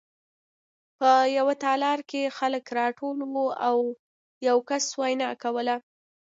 په یوه تالار کې خلک راټول وو او یو کس وینا کوله